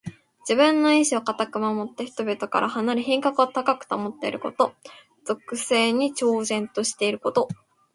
自分の意志をかたく守って、人々から離れ品格を高く保っていること。俗世に超然としていること。